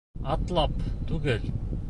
Атлап... түгел.